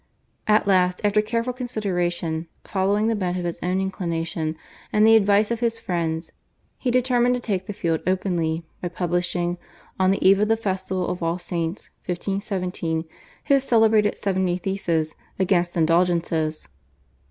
At last, after careful consideration, following the bent of his own inclination and the advice of his friends, he determined to take the field openly by publishing, on the eve of the festival of All Saints, 1517, his celebrated seventy theses against Indulgences.